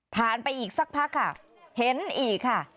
ไปอีกสักพักค่ะเห็นอีกค่ะ